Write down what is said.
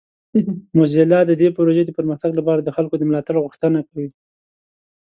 موزیلا د دې پروژې د پرمختګ لپاره د خلکو د ملاتړ غوښتنه کوي.